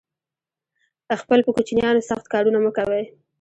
خپل په کوچینیانو سخت کارونه مه کوی